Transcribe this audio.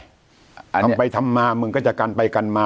อันเนี้ยเอาไปทำมามึงก็จะกันไปกันมา